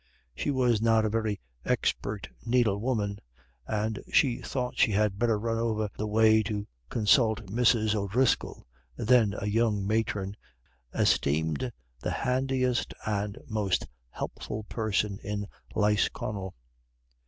She was not a very expert needlewoman, and she thought she had better run over the way to consult Mrs. O'Driscoll, then a young matron, esteemed the handiest and most helpful person in Lisconnel.